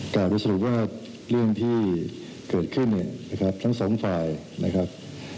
กล่าวว่าคือเรื่องที่เกิดขึ้นทั้งสองแหน่งฝ่ายครับ